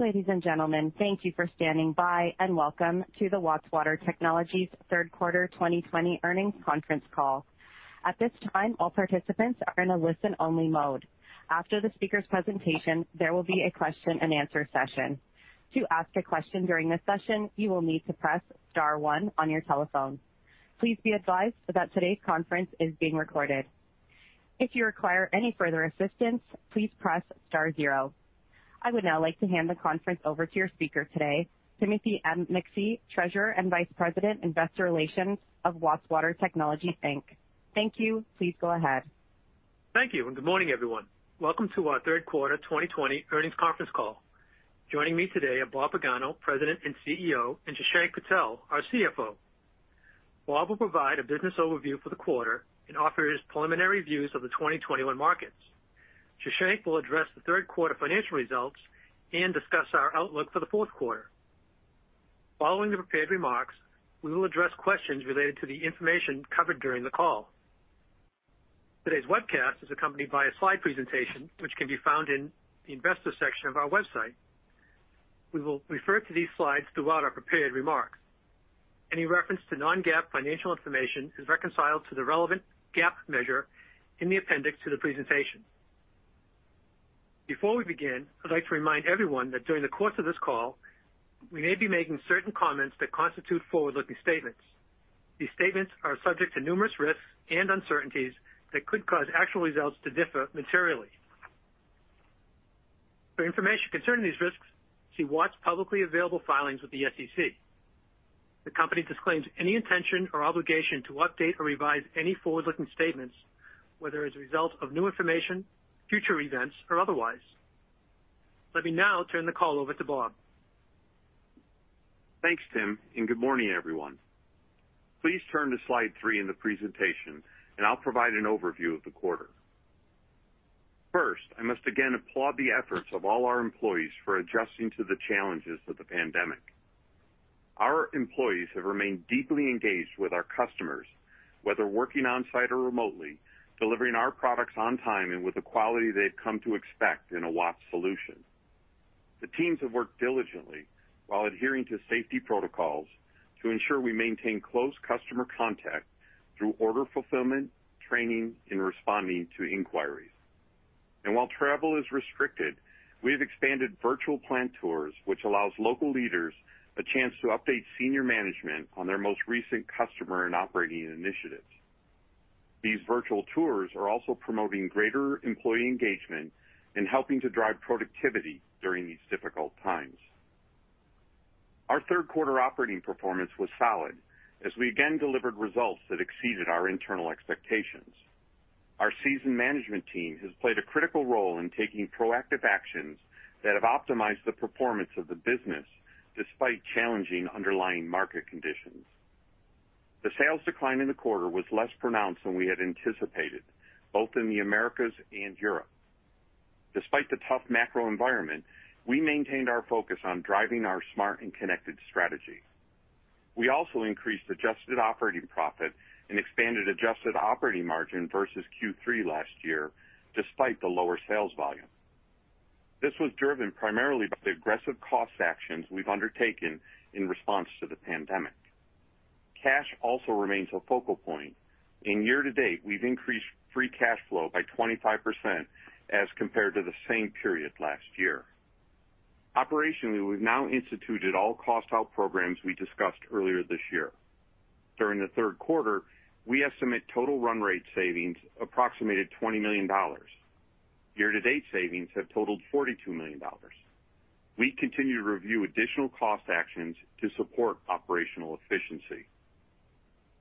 Ladies and gentlemen, thank you for standing by, and welcome to the Watts Water Technologies Third Quarter 2020 Earnings Conference Call. At this time, all participants are in a listen-only mode. After the speaker's presentation, there will be a question-and-answer session. To ask a question during this session, you will need to press star one on your telephone. Please be advised that today's conference is being recorded. If you require any further assistance, please press star zero. I would now like to hand the conference over to your speaker today, Timothy MacPhee, Treasurer and Vice President, Investor Relations of Watts Water Technologies, Inc. Thank you. Please go ahead. Thank you, and good morning, everyone. Welcome to our Third Quarter 2020 Earnings Conference Call. Joining me today are Bob Pagano, President and CEO, and Shashank Patel, our CFO. Bob will provide a business overview for the quarter and offer his preliminary views of the 2021 markets. Shashank will address the third quarter financial results and discuss our outlook for the fourth quarter. Following the prepared remarks, we will address questions related to the information covered during the call. Today's webcast is accompanied by a slide presentation, which can be found in the Investor section of our website. We will refer to these slides throughout our prepared remarks. Any reference to non-GAAP financial information is reconciled to the relevant GAAP measure in the appendix to the presentation. Before we begin, I'd like to remind everyone that during the course of this call, we may be making certain comments that constitute forward-looking statements. These statements are subject to numerous risks and uncertainties that could cause actual results to differ materially. For information concerning these risks, see Watts' publicly available filings with the SEC. The company disclaims any intention or obligation to update or revise any forward-looking statements, whether as a result of new information, future events, or otherwise. Let me now turn the call over to Bob. Thanks, Tim, and good morning, everyone. Please turn to slide 3 in the presentation, and I'll provide an overview of the quarter. First, I must again applaud the efforts of all our employees for adjusting to the challenges of the pandemic. Our employees have remained deeply engaged with our customers, whether working on-site or remotely, delivering our products on time and with the quality they've come to expect in a Watts solution. The teams have worked diligently while adhering to safety protocols to ensure we maintain close customer contact through order fulfillment, training, and responding to inquiries. While travel is restricted, we have expanded virtual plant tours, which allows local leaders a chance to update senior management on their most recent customer and operating initiatives. These virtual tours are also promoting greater employee engagement and helping to drive productivity during these difficult times. Our third quarter operating performance was solid, as we again delivered results that exceeded our internal expectations. Our seasoned management team has played a critical role in taking proactive actions that have optimized the performance of the business, despite challenging underlying market conditions. The sales decline in the quarter was less pronounced than we had anticipated, both in the Americas and Europe. Despite the tough macro environment, we maintained our focus on driving our Smart and Connected strategy. We also increased adjusted operating profit and expanded adjusted operating margin versus Q3 last year, despite the lower sales volume. This was driven primarily by the aggressive cost actions we've undertaken in response to the pandemic. Cash also remains a focal point. In year to date, we've increased free cash flow by 25% as compared to the same period last year. Operationally, we've now instituted all cost out programs we discussed earlier this year. During the third quarter, we estimate total run rate savings approximated $20 million. Year to date, savings have totaled $42 million. We continue to review additional cost actions to support operational efficiency.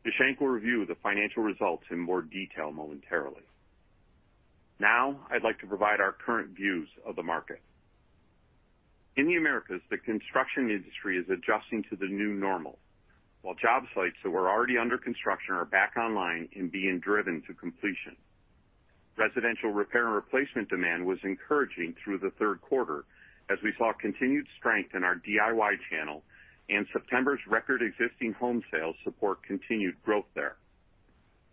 Shashank will review the financial results in more detail momentarily. Now, I'd like to provide our current views of the market. In the Americas, the construction industry is adjusting to the new normal, while job sites that were already under construction are back online and being driven to completion. Residential repair and replacement demand was encouraging through the third quarter as we saw continued strength in our DIY channel, and September's record existing home sales support continued growth there.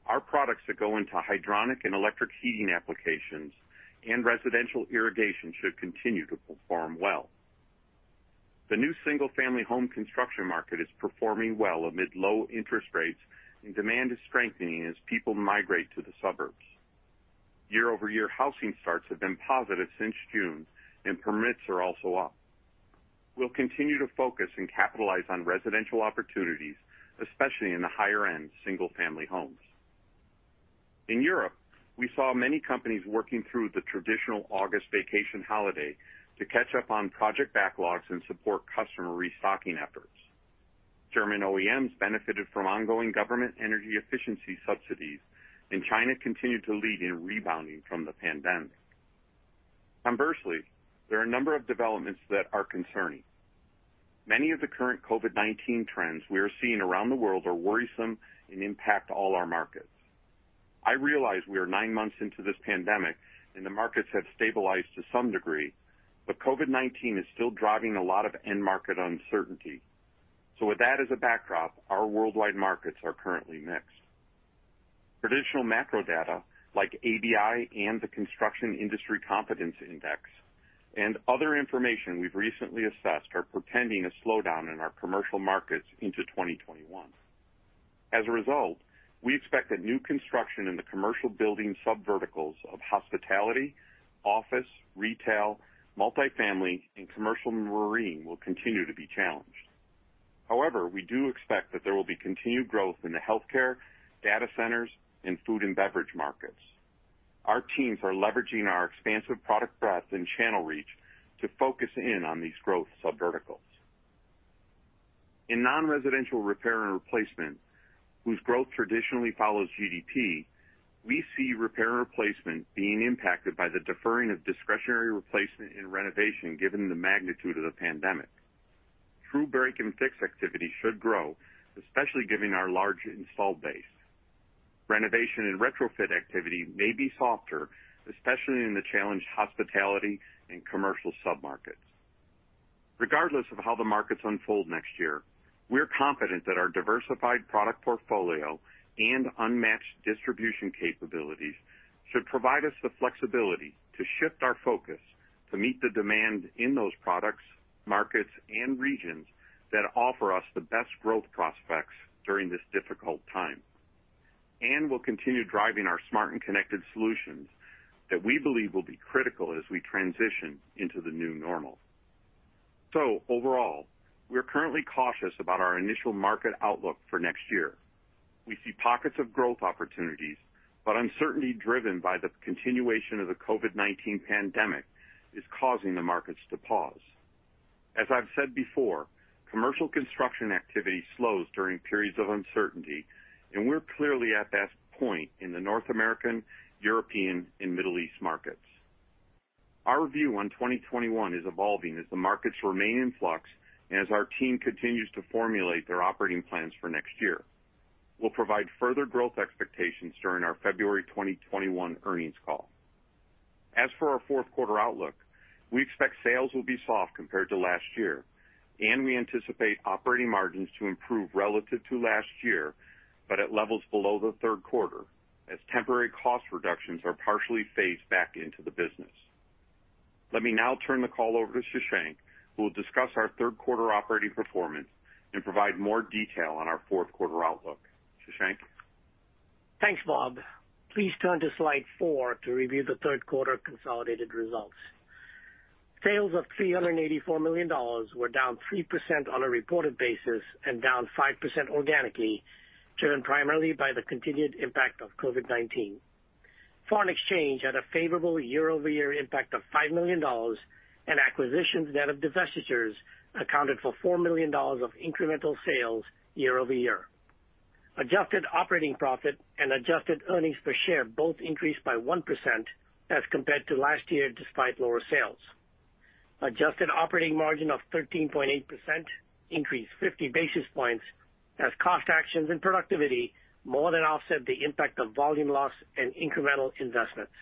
Our products that go into hydronic and electric heating applications and residential irrigation should continue to perform well. The new single-family home construction market is performing well amid low interest rates, and demand is strengthening as people migrate to the suburbs. Year-over-year, housing starts have been positive since June, and permits are also up. We'll continue to focus and capitalize on residential opportunities, especially in the higher-end single-family homes. In Europe, we saw many companies working through the traditional August vacation holiday to catch up on project backlogs and support customer restocking efforts. German OEMs benefited from ongoing government energy efficiency subsidies, and China continued to lead in rebounding from the pandemic. Conversely, there are a number of developments that are concerning. Many of the current COVID-19 trends we are seeing around the world are worrisome and impact all our markets. I realize we are nine months into this pandemic, and the markets have stabilized to some degree, but COVID-19 is still driving a lot of end market uncertainty. So with that as a backdrop, our worldwide markets are currently mixed. Traditional macro data, like ABI and the Construction Industry Confidence Index, and other information we've recently assessed are portending a slowdown in our commercial markets into 2021. As a result, we expect that new construction in the commercial building sub verticals of hospitality, office, retail, multifamily, and commercial marine will continue to be challenged. However, we do expect that there will be continued growth in the healthcare, data centers, and food and beverage markets. Our teams are leveraging our expansive product breadth and channel reach to focus in on these growth sub verticals. In non-residential repair and replacement, whose growth traditionally follows GDP, we see repair and replacement being impacted by the deferring of discretionary replacement and renovation, given the magnitude of the pandemic. True break and fix activity should grow, especially given our large installed base. Renovation and retrofit activity may be softer, especially in the challenged hospitality and commercial submarkets. Regardless of how the markets unfold next year, we're confident that our diversified product portfolio and unmatched distribution capabilities should provide us the flexibility to shift our focus to meet the demand in those products, markets, and regions that offer us the best growth prospects during this difficult time. And we'll continue driving our smart and connected solutions that we believe will be critical as we transition into the new normal. So overall, we are currently cautious about our initial market outlook for next year. We see pockets of growth opportunities, but uncertainty driven by the continuation of the COVID-19 pandemic is causing the markets to pause. As I've said before, commercial construction activity slows during periods of uncertainty, and we're clearly at that point in the North American, European, and Middle East markets. Our view on 2021 is evolving as the markets remain in flux and as our team continues to formulate their operating plans for next year. We'll provide further growth expectations during our February 2021 earnings call. As for our fourth quarter outlook, we expect sales will be soft compared to last year, and we anticipate operating margins to improve relative to last year, but at levels below the third quarter, as temporary cost reductions are partially phased back into the business. Let me now turn the call over to Shashank, who will discuss our third quarter operating performance and provide more detail on our fourth quarter outlook. Shashank? Thanks, Bob. Please turn to slide four to review the third quarter consolidated results. Sales of $384 million were down 3% on a reported basis and down 5% organically, driven primarily by the continued impact of COVID-19. Foreign exchange had a favorable year-over-year impact of $5 million, and acquisitions net of divestitures accounted for $4 million of incremental sales year-over-year. Adjusted operating profit and adjusted earnings per share both increased by 1% as compared to last year, despite lower sales. Adjusted operating margin of 13.8% increased 50 basis points, as cost actions and productivity more than offset the impact of volume loss and incremental investments.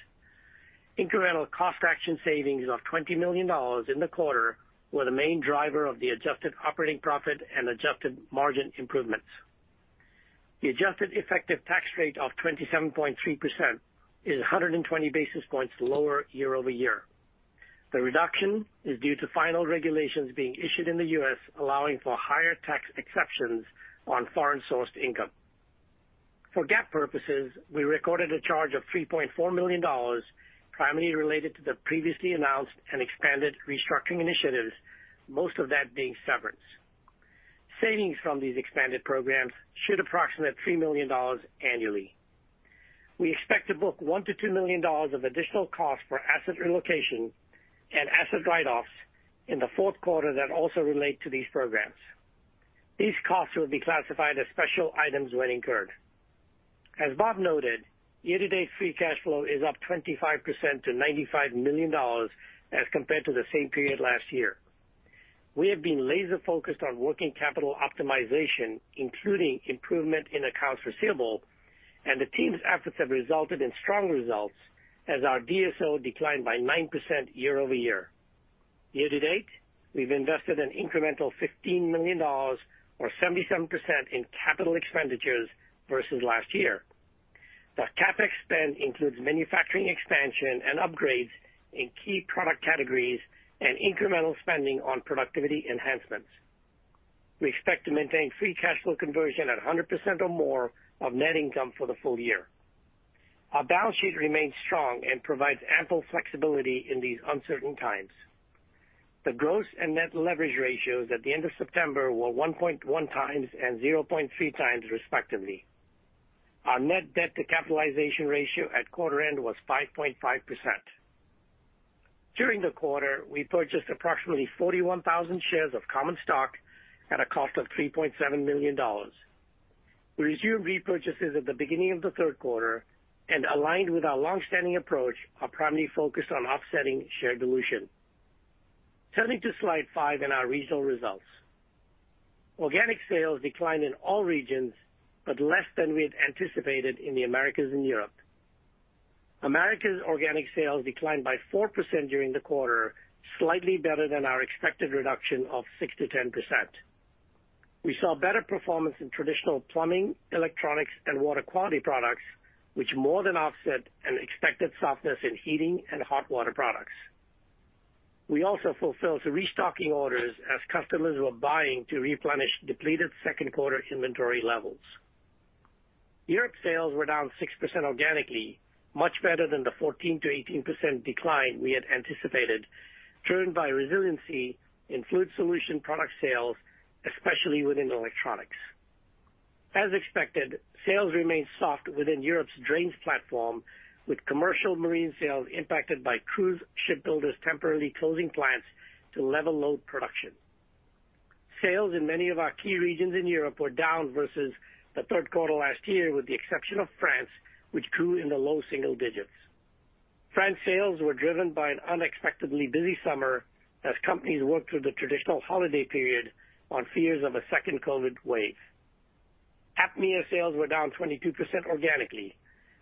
Incremental cost action savings of $20 million in the quarter were the main driver of the adjusted operating profit and adjusted margin improvements. The adjusted effective tax rate of 27.3% is 120 basis points lower year-over-year. The reduction is due to final regulations being issued in the U.S., allowing for higher tax exceptions on foreign-sourced income. For GAAP purposes, we recorded a charge of $3.4 million, primarily related to the previously announced and expanded restructuring initiatives, most of that being severance. Savings from these expanded programs should approximate $3 million annually. We expect to book $1 million-$2 million of additional costs for asset relocation and asset write-offs in the fourth quarter that also relate to these programs. These costs will be classified as special items when incurred. As Bob noted, year-to-date free cash flow is up 25% to $95 million as compared to the same period last year. We have been laser focused on working capital optimization, including improvement in accounts receivable, and the team's efforts have resulted in strong results as our DSO declined by 9% year-over-year. Year to date, we've invested an incremental $15 million, or 77%, in capital expenditures versus last year. The CapEx spend includes manufacturing expansion and upgrades in key product categories and incremental spending on productivity enhancements. We expect to maintain free cash flow conversion at 100% or more of net income for the full year. Our balance sheet remains strong and provides ample flexibility in these uncertain times. The gross and net leverage ratios at the end of September were 1.1 times and 0.3 times, respectively. Our net debt to capitalization ratio at quarter end was 5.5%. During the quarter, we purchased approximately 41,000 shares of common stock at a cost of $3.7 million. We resumed repurchases at the beginning of the third quarter, and aligned with our long-standing approach, are primarily focused on offsetting share dilution. Turning to slide 5 and our regional results. Organic sales declined in all regions, but less than we had anticipated in the Americas and Europe. Americas' organic sales declined by 4% during the quarter, slightly better than our expected reduction of 6%-10%. We saw better performance in traditional plumbing, electronics, and water quality products, which more than offset an expected softness in heating and hot water products. We also fulfilled the restocking orders as customers were buying to replenish depleted second quarter inventory levels. Europe sales were down 6% organically, much better than the 14%-18% decline we had anticipated, driven by resiliency in fluid solution product sales, especially within electronics. As expected, sales remained soft within Europe's drains platform, with commercial marine sales impacted by cruise shipbuilders temporarily closing plants to level load production. Sales in many of our key regions in Europe were down versus the third quarter last year, with the exception of France, which grew in the low single digits. France sales were driven by an unexpectedly busy summer as companies worked through the traditional holiday period on fears of a second COVID wave. APMEA sales were down 22% organically,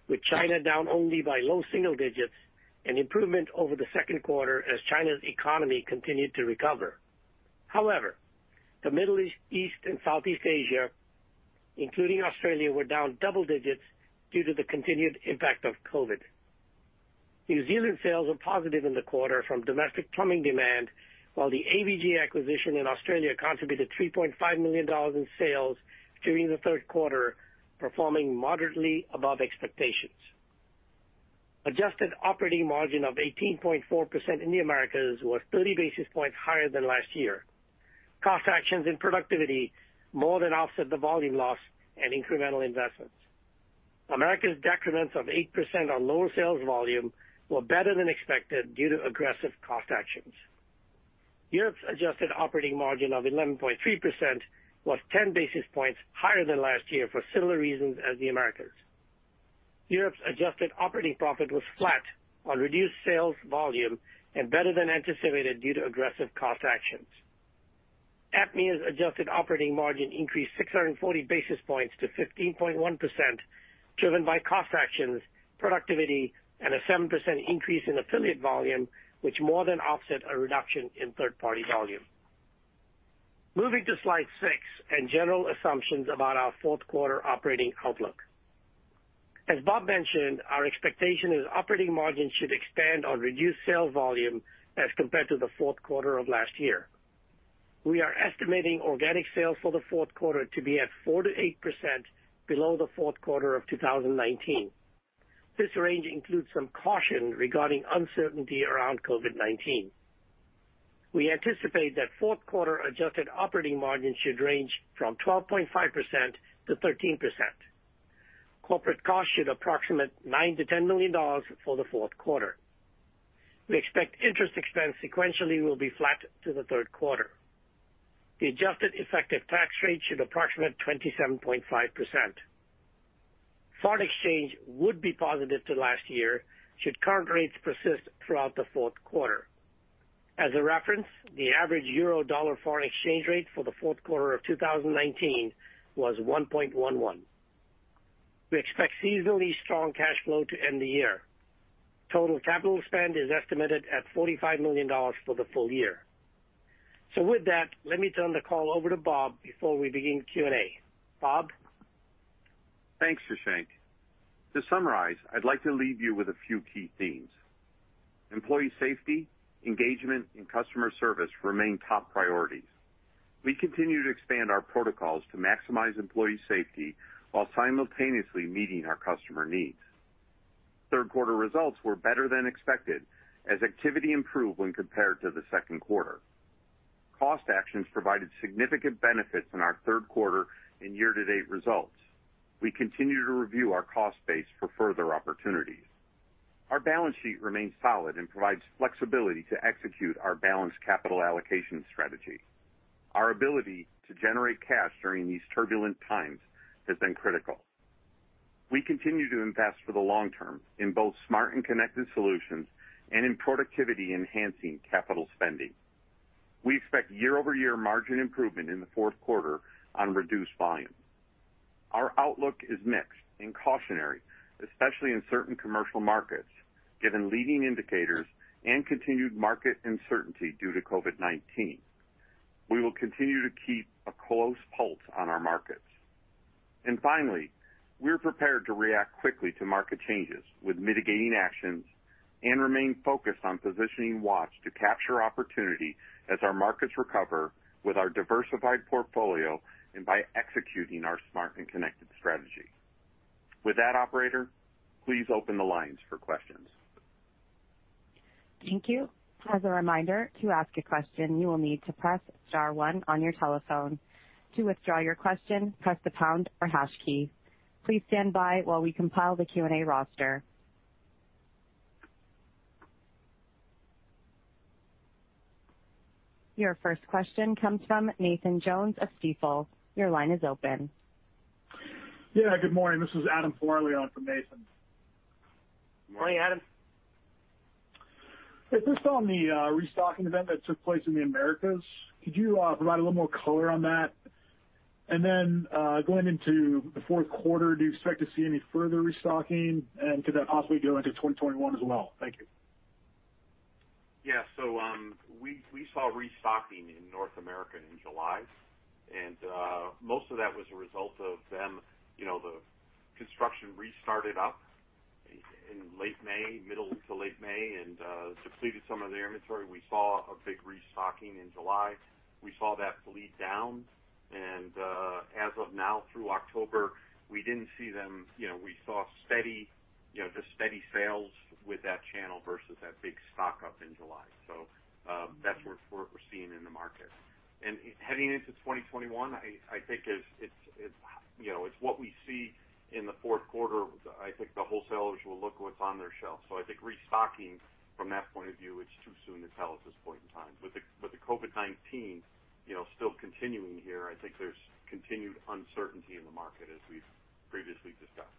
with China down only by low single digits, an improvement over the second quarter as China's economy continued to recover. However, the Middle East, East and Southeast Asia, including Australia, were down double digits due to the continued impact of COVID. New Zealand sales were positive in the quarter from domestic plumbing demand, while the AVG acquisition in Australia contributed $3.5 million in sales during the third quarter, performing moderately above expectations. Adjusted operating margin of 18.4% in the Americas was 30 basis points higher than last year. Cost actions and productivity more than offset the volume loss and incremental investments. Americas' decrementals of 8% on lower sales volume were better than expected due to aggressive cost actions. Europe's adjusted operating margin of 11.3% was 10 basis points higher than last year for similar reasons as the Americas. Europe's adjusted operating profit was flat on reduced sales volume and better than anticipated due to aggressive cost actions. APMEA's adjusted operating margin increased 640 basis points to 15.1%, driven by cost actions, productivity, and a 7% increase in affiliate volume, which more than offset a reduction in third-party volume. Moving to slide 6 and general assumptions about our fourth quarter operating outlook. As Bob mentioned, our expectation is operating margin should expand on reduced sales volume as compared to the fourth quarter of last year. We are estimating organic sales for the fourth quarter to be at 4%-8% below the fourth quarter of 2019. This range includes some caution regarding uncertainty around COVID-19. We anticipate that fourth quarter adjusted operating margin should range from 12.5% to 13%. Corporate costs should approximate $9 million-$10 million for the fourth quarter. We expect interest expense sequentially will be flat to the third quarter. The adjusted effective tax rate should approximate 27.5%. Foreign exchange would be positive to last year should current rates persist throughout the fourth quarter. As a reference, the average euro dollar foreign exchange rate for the fourth quarter of 2019 was 1.11. We expect seasonally strong cash flow to end the year. Total capital spend is estimated at $45 million for the full year. So with that, let me turn the call over to Bob before we begin Q&A. Bob? Thanks, Shashank. To summarize, I'd like to leave you with a few key themes. Employee safety, engagement, and customer service remain top priorities. We continue to expand our protocols to maximize employee safety while simultaneously meeting our customer needs. Third quarter results were better than expected, as activity improved when compared to the second quarter. Cost actions provided significant benefits in our third quarter and year-to-date results. We continue to review our cost base for further opportunities. Our balance sheet remains solid and provides flexibility to execute our balanced capital allocation strategy. Our ability to generate cash during these turbulent times has been critical. We continue to invest for the long term in both smart and connected solutions and in productivity-enhancing capital spending. We expect year-over-year margin improvement in the fourth quarter on reduced volumes. Our outlook is mixed and cautionary, especially in certain commercial markets, given leading indicators and continued market uncertainty due to COVID-19. We will continue to keep a close pulse on our markets. Finally, we're prepared to react quickly to market changes with mitigating actions and remain focused on positioning Watts to capture opportunity as our markets recover with our diversified portfolio and by executing our smart and connected strategy. With that, operator, please open the lines for questions. Thank you. As a reminder, to ask a question, you will need to press star one on your telephone. To withdraw your question, press the pound or hash key. Please stand by while we compile the Q&A roster. Your first question comes from Nathan Jones of Stifel. Your line is open. Yeah, good morning. This is Adam Farley on for Nathan. Morning, Adam. ... Just on the restocking event that took place in the Americas, could you provide a little more color on that? And then, going into the fourth quarter, do you expect to see any further restocking, and could that possibly go into 2021 as well? Thank you. Yeah. So, we saw restocking in North America in July, and most of that was a result of them, you know, the construction restarted up in late May, middle to late May, and depleted some of their inventory. We saw a big restocking in July. We saw that bleed down, and as of now, through October, we didn't see them—you know, we saw steady, you know, just steady sales with that channel versus that big stock-up in July. So, that's what we're seeing in the market. And heading into 2021, I think it's, you know, it's what we see in the fourth quarter. I think the wholesalers will look what's on their shelves. So I think restocking from that point of view, it's too soon to tell at this point in time. With the COVID-19, you know, still continuing here, I think there's continued uncertainty in the market as we've previously discussed.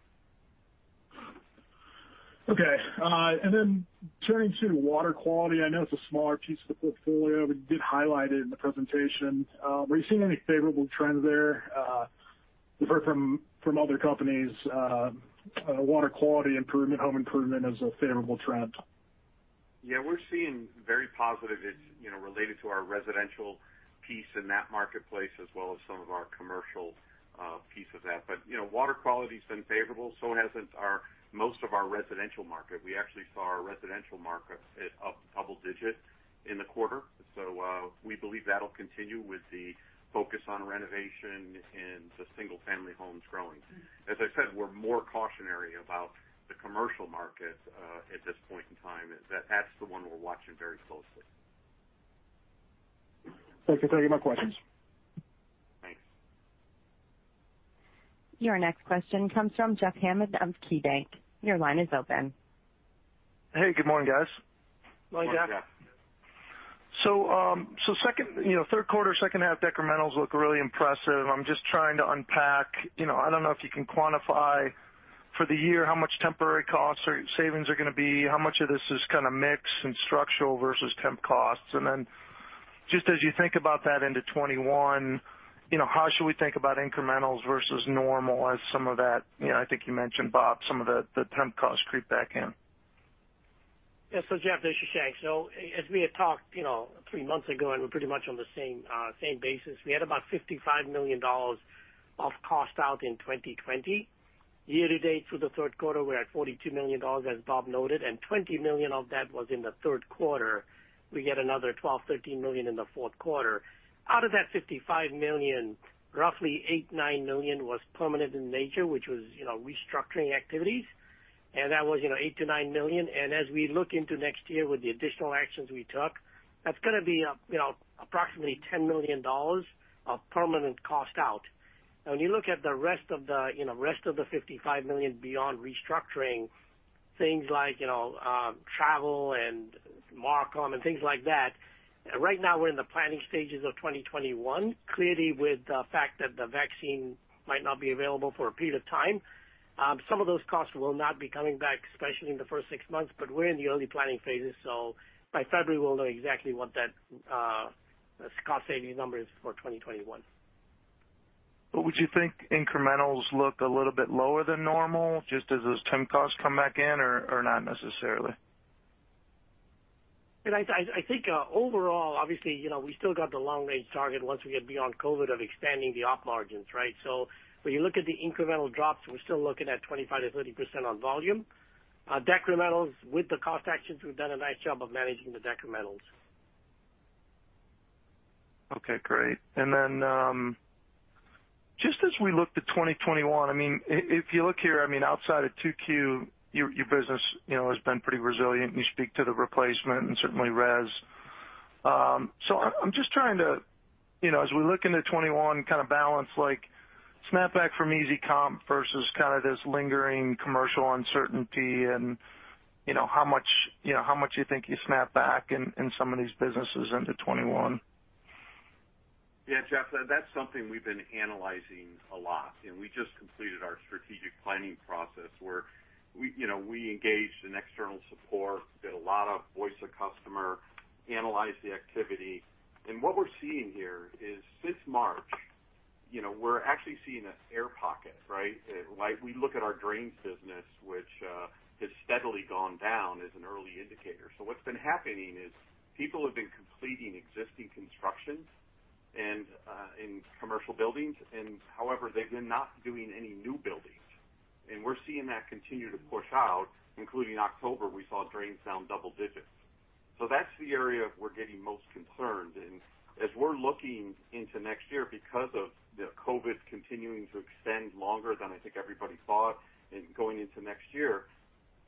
Okay. And then turning to water quality, I know it's a smaller piece of the portfolio, but you did highlight it in the presentation. Are you seeing any favorable trends there? We've heard from other companies, water quality improvement, home improvement is a favorable trend. Yeah, we're seeing very positive. It's, you know, related to our residential piece in that marketplace, as well as some of our commercial piece of that. But, you know, water quality's been favorable, so has our most of our residential market. We actually saw our residential market up double digit in the quarter. So, we believe that'll continue with the focus on renovation and the single-family homes growing. As I said, we're more cautionary about the commercial market at this point in time. That's the one we're watching very closely. Thank you. Those are my questions. Thanks. Your next question comes from Jeff Hammond of KeyBanc. Your line is open. Hey, good morning, guys. Good morning, Jeff. So, so second, you know, third quarter, second half decrementals look really impressive. I'm just trying to unpack, you know, I don't know if you can quantify for the year how much temporary costs or savings are gonna be, how much of this is kind of mix and structural versus temp costs. And then just as you think about that into 2021, you know, how should we think about incrementals versus normal as some of that, you know, I think you mentioned, Bob, some of the, the temp costs creep back in? Yeah. So Jeff, this is Shank. So as we had talked, you know, three months ago, and we're pretty much on the same same basis, we had about $55 million of cost out in 2020. Year to date through the third quarter, we're at $42 million, as Bob noted, and $20 million of that was in the third quarter. We get another $12-$13 million in the fourth quarter. Out of that $55 million, roughly $8-$9 million was permanent in nature, which was, you know, restructuring activities, and that was, you know, $8-$9 million. And as we look into next year with the additional actions we took, that's gonna be up, you know, approximately $10 million of permanent cost out. When you look at the rest of the, you know, rest of the $55 million beyond restructuring, things like, you know, travel and marcom and things like that, right now, we're in the planning stages of 2021. Clearly, with the fact that the vaccine might not be available for a period of time, some of those costs will not be coming back, especially in the first six months, but we're in the early planning phases, so by February, we'll know exactly what that cost savings number is for 2021. But would you think incrementals look a little bit lower than normal, just as those temp costs come back in, or, or not necessarily? And I think, overall, obviously, you know, we still got the long range target once we get beyond COVID of expanding the op margins, right? So when you look at the incremental drops, we're still looking at 25%-30% on volume. Decrementals, with the cost actions, we've done a nice job of managing the decrementals. Okay, great. And then, just as we look to 2021, I mean, if you look here, I mean, outside of 2Q, your, your business, you know, has been pretty resilient, and you speak to the replacement and certainly residential. So I'm just trying to, you know, as we look into 2021, kind of balance, like, snapback from easy comp versus kind of this lingering commercial uncertainty and, you know, how much, you know, how much you think you snap back in, in some of these businesses into 2021? Yeah, Jeff, that's something we've been analyzing a lot, and we just completed our strategic planning process, where we, you know, we engaged in external support, did a lot of voice of customer, analyzed the activity. And what we're seeing here is since March, you know, we're actually seeing an air pocket, right? Like, we look at our drains business, which has steadily gone down as an early indicator. So what's been happening is people have been completing existing constructions and in commercial buildings and... however, they've been not doing any new buildings. And we're seeing that continue to push out, including October, we saw drains down double digits. So that's the area we're getting most concerned. As we're looking into next year, because of the COVID continuing to extend longer than I think everybody thought, and going into next year,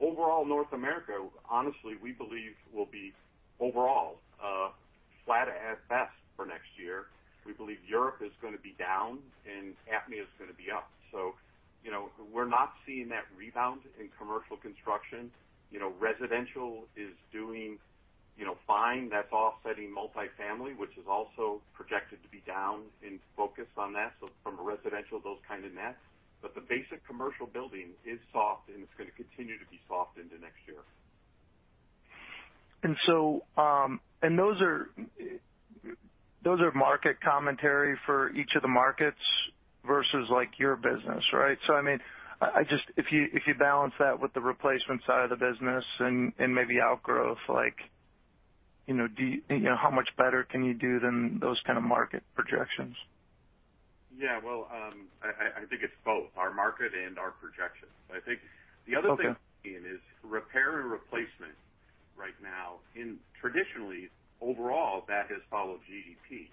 overall, North America, honestly, we believe will be overall flat at best for next year. We believe Europe is gonna be down, and APMEA is gonna be up. So, you know, we're not seeing that rebound in commercial construction. You know, residential is doing, you know, fine. That's offsetting multifamily, which is also projected to be down in focus on that. So from a residential, those kind of net. But the basic commercial building is soft, and it's gonna continue to be soft into next year. Those are market commentary for each of the markets versus like your business, right? I mean, I just- if you balance that with the replacement side of the business and maybe outgrowth, like, you know, do you-- you know, how much better can you do than those kind of market projections? Yeah, well, I think it's both our market and our projections. Okay. I think the other thing is repair and replacement right now. Traditionally, overall, that has followed GDP.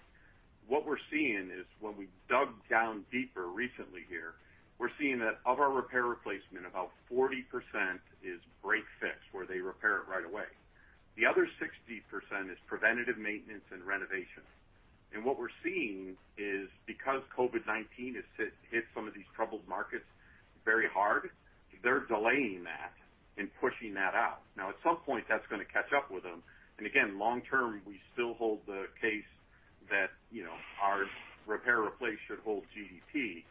What we're seeing is when we've dug down deeper recently here, we're seeing that of our repair replacement, about 40% is break fix, where they repair it right away. The other 60% is preventative maintenance and renovation. And what we're seeing is because COVID-19 has hit, hit some of these troubled markets very hard, they're delaying that and pushing that out. Now, at some point, that's gonna catch up with them. And again, long term, we still hold the case that, you know, our repair replace should hold GDP.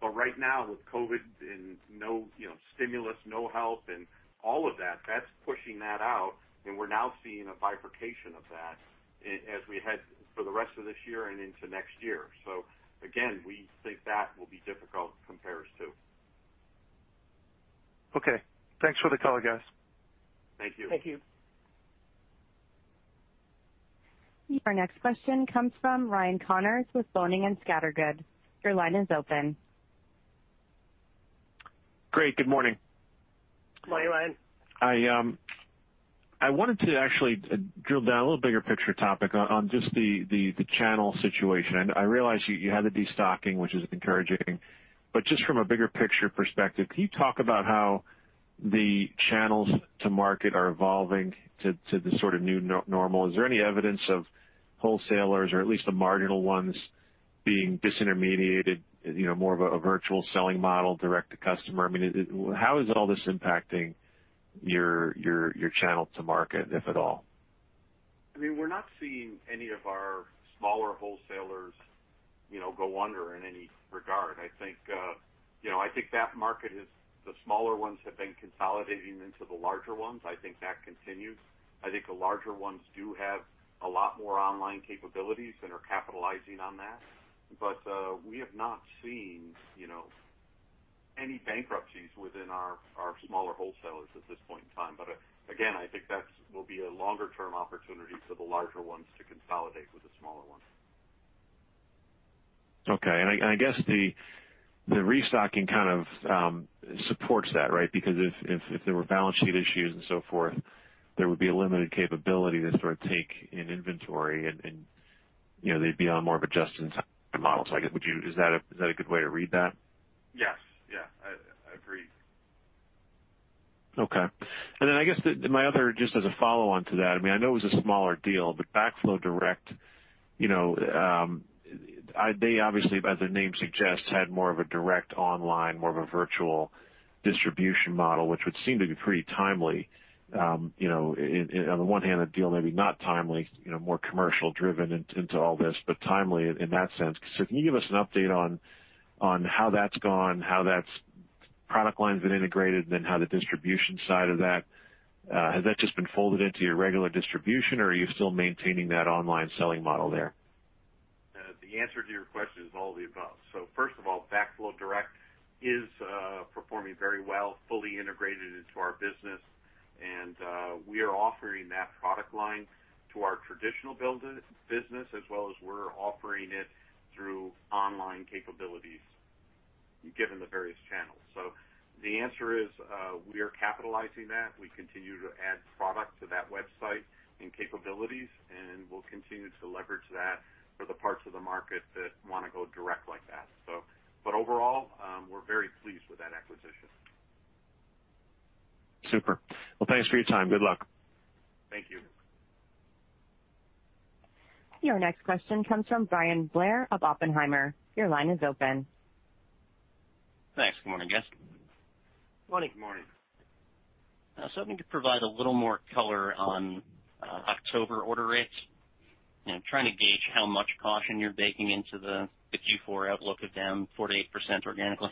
But right now, with COVID and no, you know, stimulus, no help, and all of that, that's pushing that out, and we're now seeing a bifurcation of that as we head for the rest of this year and into next year. So again, we think that will be difficult compares to. Okay. Thanks for the color, Guys. Thank you. Thank you. Your next question comes from Ryan Connors with Boenning & Scattergood. Your line is open. Great. Good morning. Good morning, Ryan. I wanted to actually drill down a little bigger picture topic on just the channel situation. I realize you had the destocking, which is encouraging, but just from a bigger picture perspective, can you talk about how the channels to market are evolving to the sort of new normal? Is there any evidence of wholesalers, or at least the marginal ones, being disintermediated, you know, more of a virtual selling model, direct to customer? I mean, how is all this impacting your channel to market, if at all? I mean, we're not seeing any of our smaller wholesalers, you know, go under in any regard. I think, you know, I think that market is the smaller ones have been consolidating into the larger ones. I think that continues. I think the larger ones do have a lot more online capabilities and are capitalizing on that. But, we have not seen, you know, any bankruptcies within our smaller wholesalers at this point in time. But again, I think that will be a longer term opportunity for the larger ones to consolidate with the smaller ones. Okay. And I guess the restocking kind of supports that, right? Because if there were balance sheet issues and so forth, there would be a limited capability to sort of take in inventory and, you know, they'd be on more of a just-in-time model. So I guess, is that a good way to read that? Yes. Yeah, I agree. Okay. And then I guess my other, just as a follow-on to that, I mean, I know it was a smaller deal, but Backflow Direct, you know, they obviously, as the name suggests, had more of a direct online, more of a virtual distribution model, which would seem to be pretty timely. You know, in, on the one hand, the deal may be not timely, you know, more commercial driven into all this, but timely in that sense. So can you give us an update on how that's gone, how that's product line's been integrated, and then how the distribution side of that? Has that just been folded into your regular distribution, or are you still maintaining that online selling model there? The answer to your question is all of the above. So first of all, Backflow Direct is performing very well, fully integrated into our business, and we are offering that product line to our traditional building business, as well as we're offering it through online capabilities, given the various channels. So the answer is, we are capitalizing that. We continue to add product to that website and capabilities, and we'll continue to leverage that for the parts of the market that want to go direct like that. So, but overall, we're very pleased with that acquisition. Super. Well, thanks for your time. Good luck. Thank you. Your next question comes from Bryan Blair of Oppenheimer. Your line is open. Thanks. Good morning, Guys. Morning. Good morning. So I want you to provide a little more color on October order rates. I'm trying to gauge how much caution you're baking into the Q4 outlook of down 4%-8% organically.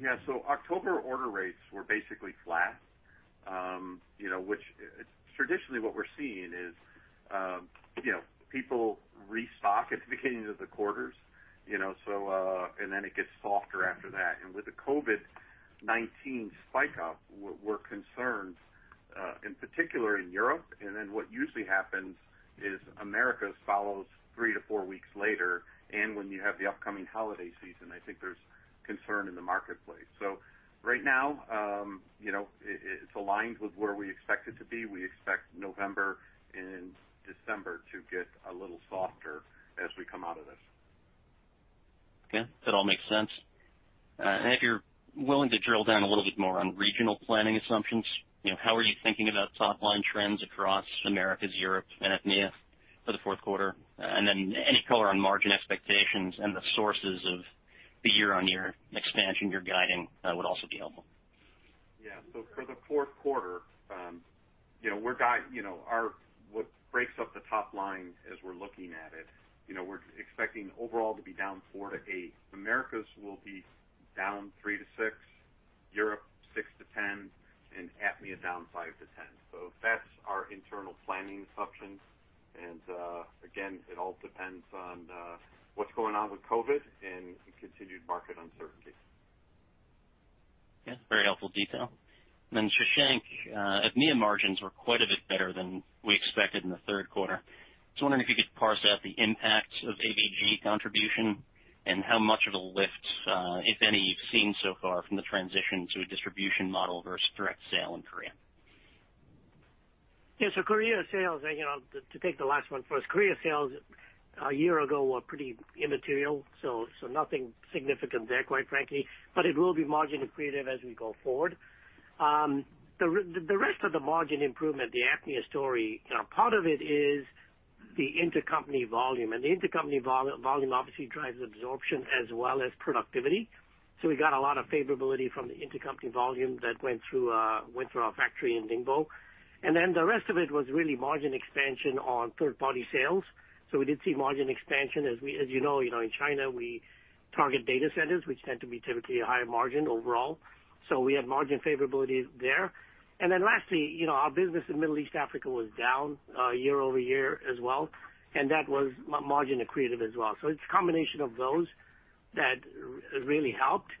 Yeah. So October order rates were basically flat. You know, which traditionally what we're seeing is, you know, people restock at the beginning of the quarters, you know, so... And then it gets softer after that. And with the COVID-19 spike up, we're concerned, in particular in Europe, and then what usually happens is Americas follows 3-4 weeks later, and when you have the upcoming holiday season, I think there's concern in the marketplace. So right now, you know, it, it's aligned with where we expect it to be. We expect November and December to get a little softer as we come out of this. Okay. That all makes sense. If you're willing to drill down a little bit more on regional planning assumptions, you know, how are you thinking about top line trends across Americas, Europe, and APMEA for the fourth quarter? Then any color on margin expectations and the sources of the year-on-year expansion you're guiding would also be helpful. Yeah. So for the fourth quarter, you know, what breaks up the top line as we're looking at it, you know, we're expecting overall to be down 4-8. Americas will be down 3-6, Europe 6-10, and APMEA down 5-10. So that's our internal planning assumptions. And, again, it all depends on what's going on with COVID and the continued market uncertainty. Yes, very helpful detail. Shashank, APMEA margins were quite a bit better than we expected in the third quarter. Just wondering if you could parse out the impact of AVG contribution and how much of a lift, if any, you've seen so far from the transition to a distribution model versus direct sale in Korea. Yeah, so Korea sales, you know, to take the last one first. Korea sales a year ago were pretty immaterial, so nothing significant there, quite frankly, but it will be margin accretive as we go forward. The rest of the margin improvement, the APMEA story, you know, part of it is the intercompany volume, and the intercompany volume obviously drives absorption as well as productivity. So we got a lot of favorability from the intercompany volume that went through our factory in Ningbo. And then the rest of it was really margin expansion on third-party sales. So we did see margin expansion. As we, as you know, you know, in China, we target data centers, which tend to be typically a higher margin overall. So we had margin favorability there. And then lastly, you know, our business in Middle East, Africa was down year over year as well, and that was margin accretive as well. So it's a combination of those that really helped.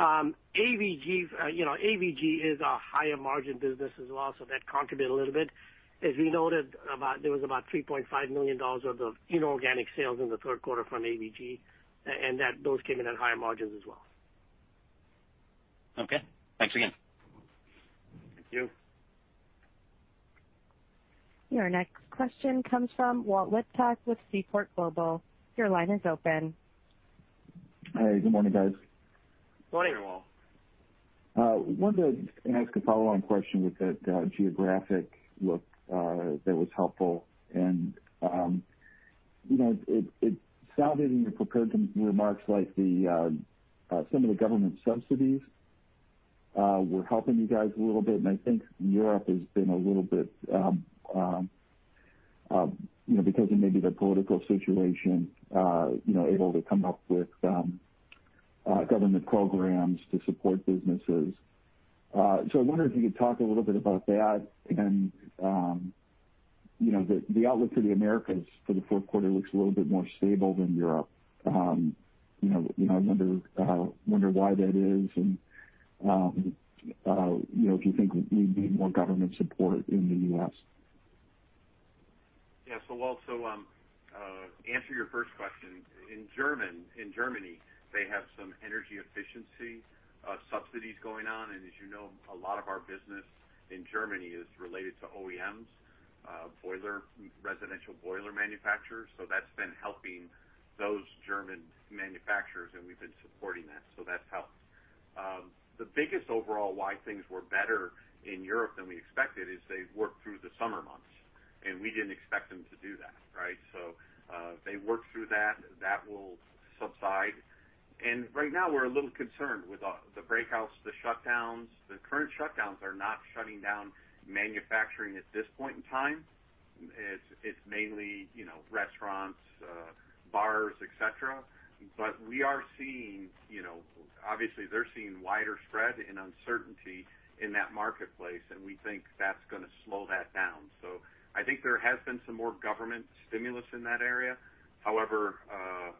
AVG, you know, AVG is a higher margin business as well, so that contributed a little bit. As we noted, there was about $3.5 million worth of inorganic sales in the third quarter from AVG, and those came in at higher margins as well. Okay, thanks again. Thank you. Your next question comes from Walt Liptak with Seaport Global. Your line is open. Hi, good morning, guys. Morning, Walt. Wanted to ask a follow-on question with that geographic look that was helpful. You know, it sounded in your prepared remarks like the some of the government subsidies were helping you guys a little bit, and I think Europe has been a little bit, you know, because of maybe the political situation, you know, able to come up with government programs to support businesses. So I wonder if you could talk a little bit about that. You know, the outlook for the Americas for the fourth quarter looks a little bit more stable than Europe. You know, I wonder why that is and, you know, if you think we need more government support in the U.S. Yeah. So Walt, answer your first question. In Germany, they have some energy efficiency subsidies going on, and as you know, a lot of our business in Germany is related to OEMs, boiler, residential boiler manufacturers. So that's been helping those German manufacturers, and we've been supporting that, so that's helped. The biggest overall why things were better in Europe than we expected is they worked through the summer months, and we didn't expect them to do that, right? So they worked through that. That will subside. And right now, we're a little concerned with the breakouts, the shutdowns. The current shutdowns are not shutting down manufacturing at this point in time. It's mainly, you know, restaurants, bars, et cetera. But we are seeing, you know, obviously, they're seeing wider spread and uncertainty in that marketplace, and we think that's gonna slow that down. So I think there has been some more government stimulus in that area. However,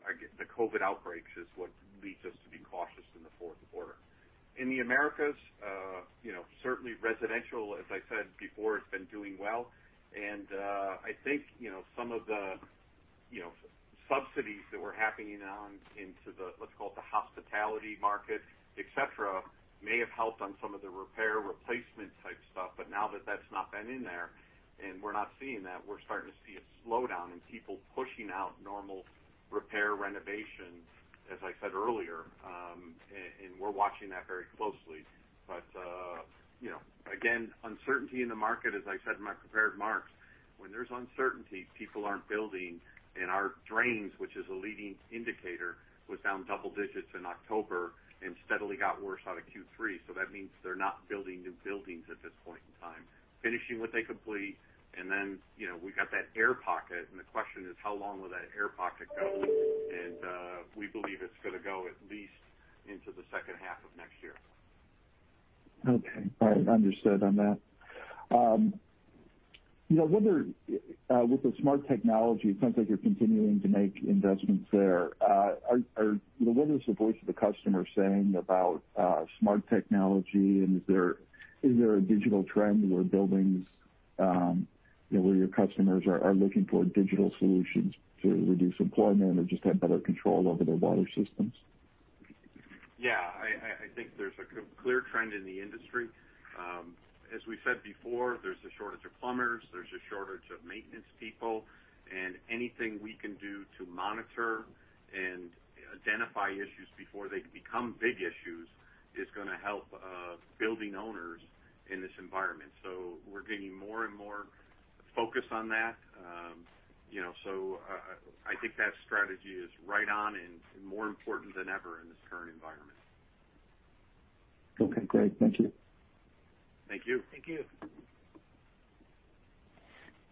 again, the COVID outbreaks is what leads us to be cautious in the fourth quarter. In the Americas, you know, certainly residential, as I said before, has been doing well. And I think, you know, some of the, you know, subsidies that were happening on into the, let's call it, the hospitality market, et cetera, may have helped on some of the repair, replacement type stuff. But now that that's not been in there and we're not seeing that, we're starting to see a slowdown and people pushing out normal repair renovations, as I said earlier, and we're watching that very closely. But, you know, again, uncertainty in the market, as I said in my prepared remarks, when there's uncertainty, people aren't building, and our drains, which is a leading indicator, was down double digits in October and steadily got worse out of Q3. So that means they're not building new buildings at this point in time. Finishing what they complete, and then, you know, we've got that air pocket, and the question is: How long will that air pocket go? And, we believe it's gonna go at least into the second half of next year. Okay. All right. Understood on that. You know, whether with the smart technology, it sounds like you're continuing to make investments there. You know, what is the voice of the customer saying about smart technology, and is there a digital trend where buildings, you know, where your customers are looking toward digital solutions to reduce employment or just have better control over their water systems? Yeah, I think there's a clear trend in the industry. As we said before, there's a shortage of plumbers, there's a shortage of maintenance people, and anything we can do to monitor and identify issues before they become big issues is gonna help building owners in this environment. So we're getting more and more focus on that. You know, so I think that strategy is right on and more important than ever in this current environment. Okay, great. Thank you. Thank you. Thank you.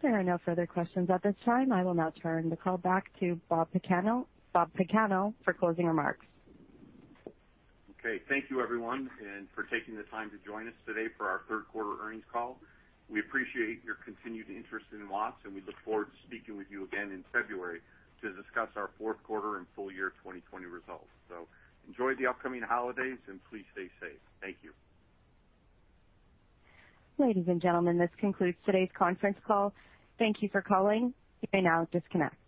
There are no further questions at this time. I will now turn the call back to Bob Pagano, for closing remarks. Okay. Thank you, everyone, and for taking the time to join us today for our third quarter earnings call. We appreciate your continued interest in Watts, and we look forward to speaking with you again in February to discuss our fourth quarter and full year 2020 results. So enjoy the upcoming holidays, and please stay safe. Thank you. Ladies and gentlemen, this concludes today's conference call. Thank you for calling. You may now disconnect.